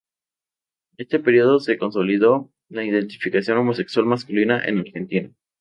En este período se consolidó la identidad homosexual masculina en Argentina.